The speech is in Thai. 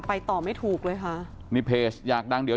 ต่อไม่ถูกเลยค่ะนี่เพจอยากดังเดี๋ยว